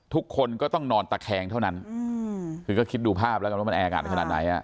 ทุกคนก็ต้องนอนตะแคงเท่านั้นคือก็คิดดูภาพแล้วว่ามันแอร์อากาศเท่านั้นไหน